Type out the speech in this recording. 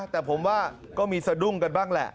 แต่ผมว่าก็มีสะดุ้งกันบ้างแหละ